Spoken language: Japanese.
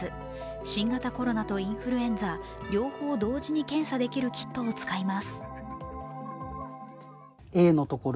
新型コロナとインフルエンザ両方同時に検査できるキットを使います。